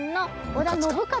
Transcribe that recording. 織田信雄。